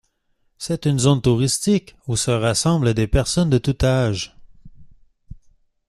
C'est une zone touristique où se rassemblent des personnes de tous âges.